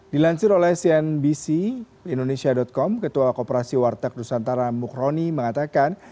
dilansir oleh cnbc indonesia com ketua koperasi warteg nusantara mukroni mengatakan